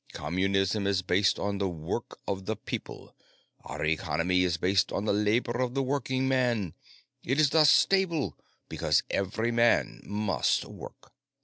Communism is based on the work of the people; our economy is based on the labor of the working man. It is thus stable, because every man must work.